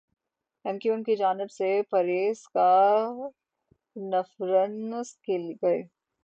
M Q M کی جانب سے پریس کانفرنس کی گئی